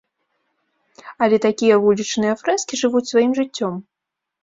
Але такія вулічныя фрэскі жывуць сваім жыццём.